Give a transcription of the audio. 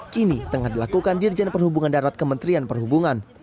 kini tengah dilakukan dirjen perhubungan darat kementerian perhubungan